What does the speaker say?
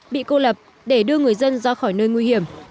bị cô lập để đưa người dân ra khỏi nơi nguy hiểm